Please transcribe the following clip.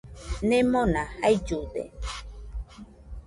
Nemona jaillude.